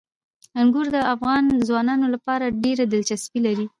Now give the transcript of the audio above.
انګور د افغان ځوانانو لپاره ډېره دلچسپي لري.